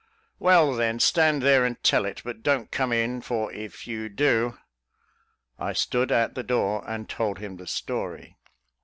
"Well then, stand there and tell it, but don't come in, for if you do " I stood at the door and told him the story.